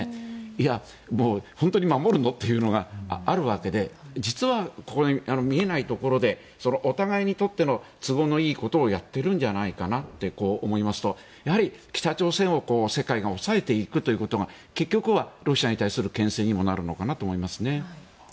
いや、本当に守るの？というのがあるわけで実は見えないところでお互いにとって都合のいいことをやっているんじゃないかなって思いますとやはり北朝鮮を世界が抑えていくということが結局はロシアに対するけん制にもなるのかなと思います。